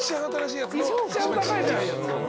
いっちゃん高いじゃん。